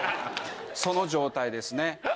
その状態ですね。